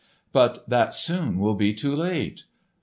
"But that soon will be too late."